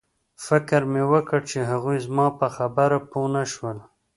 فکر مې وکړ چې هغوی زما په خبره پوه نشول